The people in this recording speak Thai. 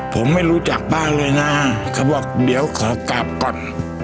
ผมไม่รู้จักบ้านเลยนะเขาบอกเดี๋ยวขอกลับก่อน